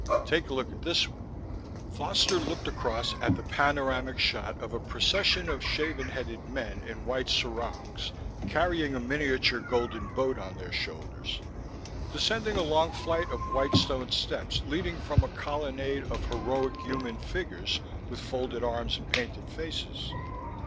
"Take a look at this one." Foster looked across at the panoramic shot of a procession of shaven headed men in white sarongs, carrying a miniature golden boat on their shoulders, descending a long flight of white stone steps leading from a colonnade of heroic human figures with folded arms and painted faces.